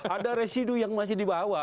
ada residu yang masih dibawa